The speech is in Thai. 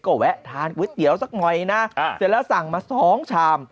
ก็แวะทานก๋วยเตี๋ยวสักหน่อยนะเสร็จแล้วสั่งมา๒ชาม